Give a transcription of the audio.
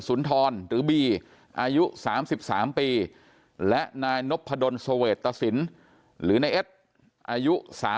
นทรหรือบีอายุ๓๓ปีและนายนพดลสเวตตสินหรือนายเอ็ดอายุ๓๐